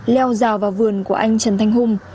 leo rào vào vườn của anh trần thanh hùng